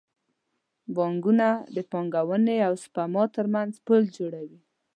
بانکونه د پانګونې او سپما ترمنځ پل جوړوي.